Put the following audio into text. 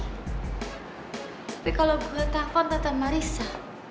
tapi kalau gue telfon tante marissa